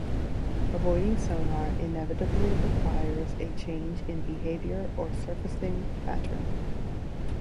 Avoiding sonar inevitably requires a change in behavior or surfacing pattern.